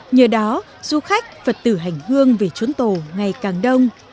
nhờ đó du khách phật tử hành hương về chốn tổ ngày càng đông